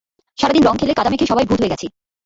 সারা দিন রঙ খেলে কাদা মেখে সবাই ভূত হয়ে গেছি।